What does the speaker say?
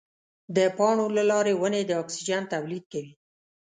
د پاڼو له لارې ونې د اکسیجن تولید کوي.